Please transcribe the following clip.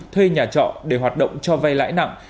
thuê nhà trọ để hoạt động cho vay lãi nặng